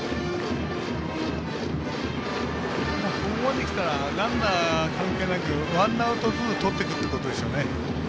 ここまできたらランナー関係なくワンアウトずつとっていくということですね。